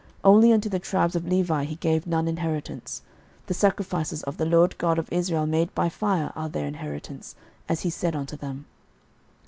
06:013:014 Only unto the tribes of Levi he gave none inheritance; the sacrifices of the LORD God of Israel made by fire are their inheritance, as he said unto them.